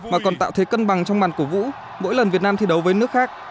mà còn tạo thế cân bằng trong màn cổ vũ mỗi lần việt nam thi đấu với nước khác